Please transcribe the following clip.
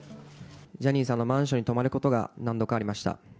ジャニーさんのマンションに泊まることが何度かありました。